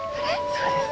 そうです。